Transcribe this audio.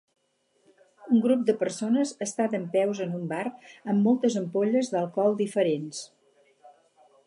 Un grup de persones està dempeus en un bar amb moltes ampolles d'alcohol diferents.